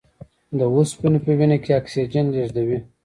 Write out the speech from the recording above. د اوسپنې په وینه کې اکسیجن لېږدوي.